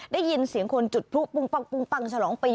ได้ยินเสียงคนจุดพลุปุ๊กปัง